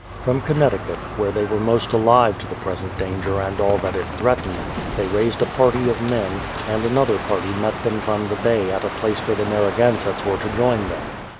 From Connecticut, where they were most alive to the present danger and all that it threat ened, they raised a party of men, and another party met them from the Bay at a place where the Narragansetts were to join them.